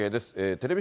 テレビ